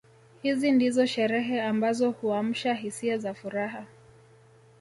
Hizi ndizo sherehe ambazo huamsha hisia za furaha